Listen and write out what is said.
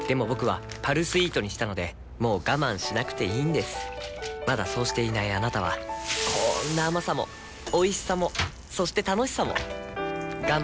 僕は「パルスイート」にしたのでもう我慢しなくていいんですまだそうしていないあなたはこんな甘さもおいしさもそして楽しさもあちっ。